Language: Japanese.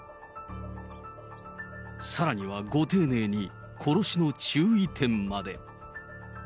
さらにはご丁寧に殺しの注意点まで。